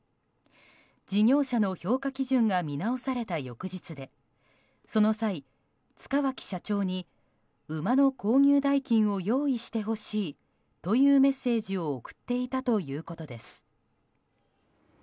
事業者の評価基準が見直された翌日でその際、塚脇社長に馬の購入代金を用意してほしいというメッセージを送っていたということです。